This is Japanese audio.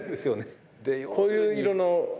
こういう色の。